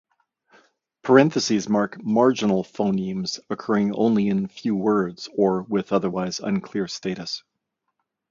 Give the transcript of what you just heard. Parentheses mark marginal phonemes occurring only in few words, or with otherwise unclear status.